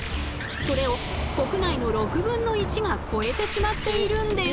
それを国内の６分の１が超えてしまっているんです。